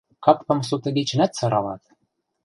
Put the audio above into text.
Капкам сотыгечӹнӓт сыралат.